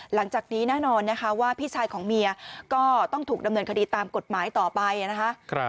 หลังจากนี้แน่นอนนะคะว่าพี่ชายของเมียก็ต้องถูกดำเนินคดีตามกฎหมายต่อไปนะคะ